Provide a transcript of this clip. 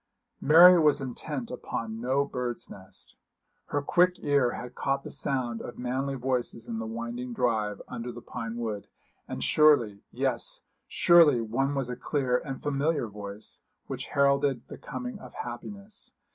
Mary was intent upon no bird's nest. Her quick ear had caught the sound of manly voices in the winding drive under the pine wood; and surely, yes, surely one was a clear and familiar voice, which heralded the coming of happiness.